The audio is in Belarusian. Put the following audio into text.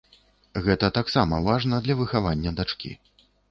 Гэта таксама важна для выхавання дачкі.